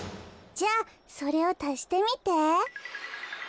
じゃあそれをたしてみて。